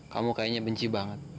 kamu kayaknya benci banget